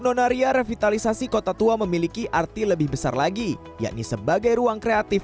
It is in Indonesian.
nonaria revitalisasi kota tua memiliki arti lebih besar lagi yakni sebagai ruang kreatif